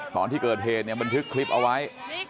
ตอนที่เกิดเหตุเนี่ยบันทึกคลิปเอาไว้